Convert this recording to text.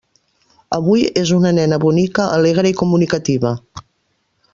Avui és una nena bonica, alegre i comunicativa.